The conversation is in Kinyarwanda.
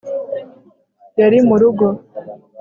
yari murugo